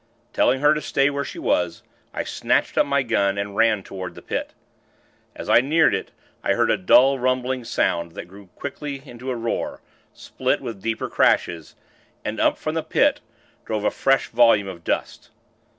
Telling her to stay where she was, I snatched up my gun, and ran toward the Pit. As I neared it, I heard a dull, rumbling sound, that grew quickly into a roar, split with deeper crashes, and up from the Pit drove a fresh volume of dust.